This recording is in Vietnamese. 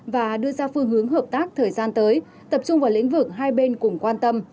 và đưa ra phương hướng hợp tác thời gian tới tập trung vào lĩnh vực hai bên cùng quan tâm